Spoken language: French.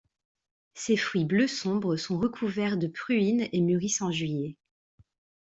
Ses fruits bleu sombre sont recouverts de pruine et mûrissent en juillet.